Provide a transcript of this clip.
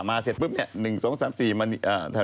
มาเสร็จปุ๊บเนี่ย๑๒๓๔แถวนี้นะ